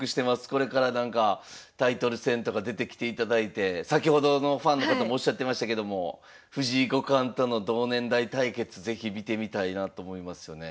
これからなんかタイトル戦とか出てきていただいて先ほどのファンの方もおっしゃってましたけども藤井五冠との同年代対決是非見てみたいなと思いますよね。